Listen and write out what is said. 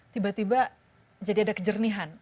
tiba tiba jadi ada kejernihan